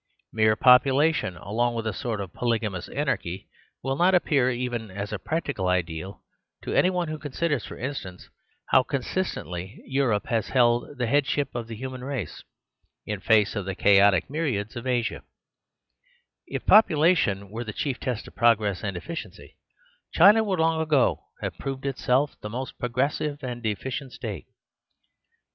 Mere population, along with a sort of polygamous anarchy, will not appear even as a practical ideal to any one who considers, for instance, how consistently Europe has held the headship of the human race, in face of the chaotic myriads of Asia, If population were the chief test of progress and efficiency, China would long ago have proved itself the most progressive and efficient state.